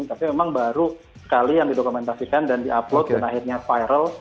tapi memang baru sekali yang didokumentasikan dan di upload dan akhirnya viral